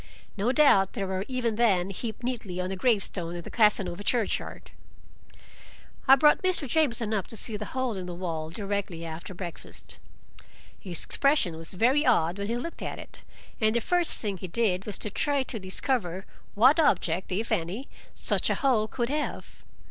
No doubt they were even then heaped neatly on a gravestone in the Casanova churchyard! I brought Mr. Jamieson up to see the hole in the wall, directly after breakfast. His expression was very odd when he looked at it, and the first thing he did was to try to discover what object, if any, such a hole could have.